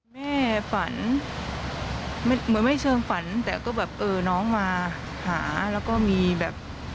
แม่ฝันเหมือนไม่เชิงฝันแต่ก็แบบเออน้องมาหาแล้วก็มีแบบ